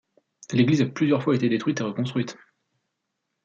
L'église a plusieurs fois été détruite et reconstruite.